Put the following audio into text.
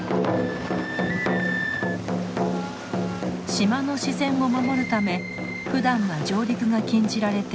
島の自然を守るためふだんは上陸が禁じられている冠島。